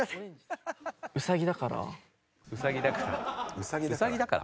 ウサギだから？